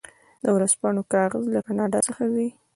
د ورځپاڼو کاغذ له کاناډا څخه ځي.